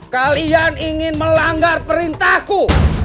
kalian ingin melanggar perintahku